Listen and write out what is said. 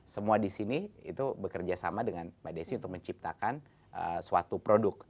semua di sini itu bekerja sama dengan mbak desi untuk menciptakan suatu produk